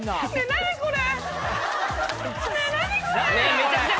何これ。